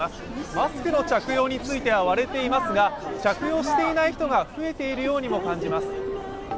マスクの着用については割れていますが、着用していない人が増えているようにも感じます。